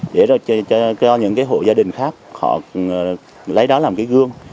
để cho những hộ gia đình khác lấy đó làm gương